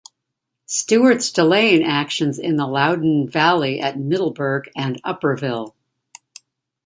Stuart's delaying actions in the Loudoun Valley at Middleburg and Upperville.